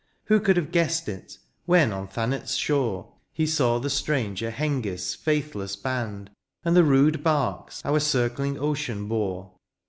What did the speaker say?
Who could have guessed it, when on Thanet's shore He saw the stranger Hengisf s faithless band. And the rude barks our circling ocean bore